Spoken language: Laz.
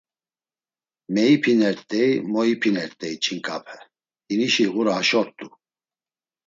Meipinert̆ey moipinert̆ey ç̌inǩape, hinişi ğura haşort̆u!